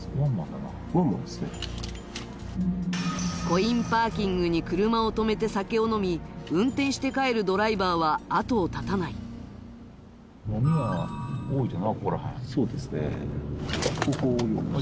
コインパーキングに車をとめて酒を飲み運転して帰るドライバーは後を絶たないそうですね